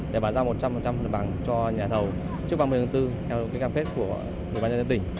để bán ra một trăm linh bằng cho nhà thầu trước ba mươi tháng bốn theo cái cam phết của bàn nhân tỉnh